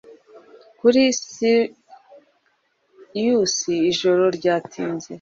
Kuri Sirius ijoro ryatsinze